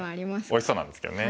おいしそうなんですけどね。